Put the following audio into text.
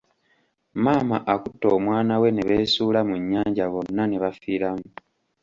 Maama akutte omwana we ne beesuula mu nnyanja bonna ne bafiiramu.